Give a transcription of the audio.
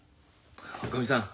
おかみさん